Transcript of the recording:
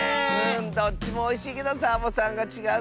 どっちもおいしいけどサボさんがちがうのわかっちゃった。